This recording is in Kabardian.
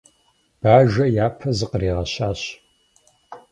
Бажэм япэ зыкъригъэщащ.